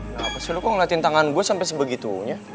kenapa sih lu kok ngeliatin tangan gue sampai sebegitunya